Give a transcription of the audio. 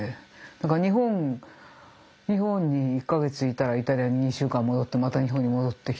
だから日本日本に１か月いたらイタリアに２週間戻ってまた日本に戻ってきて。